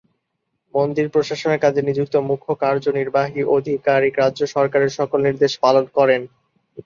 মন্দির প্রশাসনের কাজে নিযুক্ত মুখ্য কার্যনির্বাহী আধিকারিক রাজ্য সরকারের সকল নির্দেশ পালন করেন।